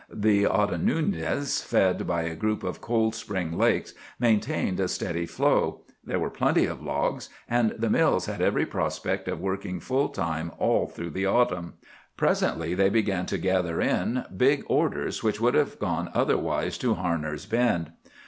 The Ottanoonsis, fed by a group of cold spring lakes, maintained a steady flow; there were plenty of logs, and the mills had every prospect of working full time all through the autumn. Presently they began to gather in big orders which would have gone otherwise to Harner's Bend.